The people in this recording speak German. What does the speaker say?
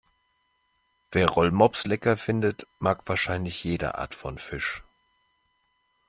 Wer Rollmops lecker findet, mag wahrscheinlich jede Art von Fisch.